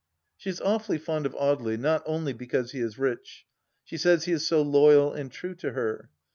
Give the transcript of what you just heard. She is awfully fond of Audely, not only because he is rich. She says he is so loyal and true to her.